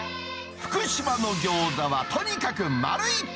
福島の餃子はとにかく丸い！